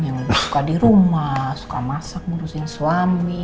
yang lebih suka di rumah suka masak ngurusin suami